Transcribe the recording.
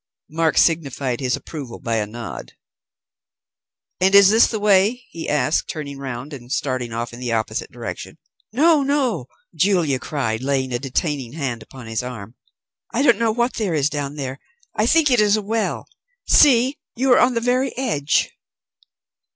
Mark signified his approval by a nod. "And is this the way?" he asked, turning round and starting off in the opposite direction. "No, no!" Julie cried, laying a detaining hand upon his arm. "I don't know what there is down there. I think it is a well. See, you are on the very edge."